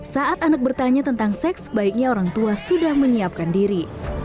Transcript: saat anak bertanya tentang seks baiknya orang tua sudah menyiapkan diri